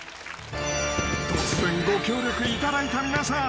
［突然ご協力いただいた皆さん］